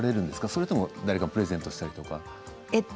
それとも誰かにプレゼントしたりとか。